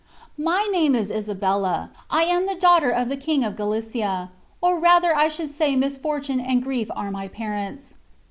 "My name is Isabella. I am the daughter of the king of Galicia, or rather I should say misfortune and grief are my parents.